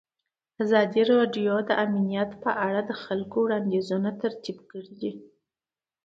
ازادي راډیو د امنیت په اړه د خلکو وړاندیزونه ترتیب کړي.